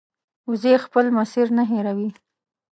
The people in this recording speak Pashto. وزې خپل مسیر نه هېروي